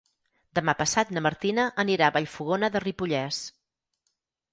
Demà passat na Martina anirà a Vallfogona de Ripollès.